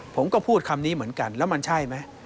ผมก็พูดคำนี้เหมือนกันแล้วมันใช่ไหม